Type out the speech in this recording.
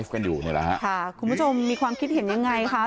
คุณผู้ชมมีความคิดเห็นยังไงค่ะ